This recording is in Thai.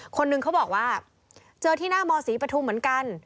คนหนึ่งเขาบอกว่าเจอที่หน้ามศรีปฐุมเหมือนกัน